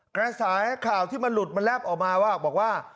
กระแสข่าวที่มันหลุดมันแลบออกมาว่าบอกว่า